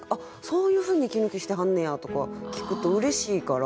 そういうふうに息抜きしてはんねやとか聞くとうれしいから。